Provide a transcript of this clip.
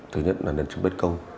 thứ nhất là nền trực bếp công